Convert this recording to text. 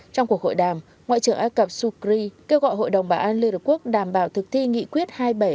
trong cuộc hội đàm ngoại trưởng ai cập soukri kêu gọi hội đồng bảo an liên hợp quốc đảm bảo thực thi nghị quyết hai nghìn bảy trăm hai mươi tám